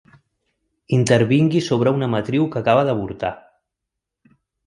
Intervingui sobre una matriu que acaba d'avortar.